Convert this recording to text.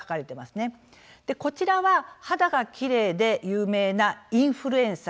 こちらは肌がきれいで有名なインフルエンサー